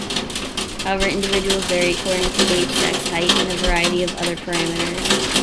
However, individuals vary according to age, sex, height and a variety of other parameters.